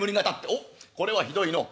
「おっこれはひどいのう。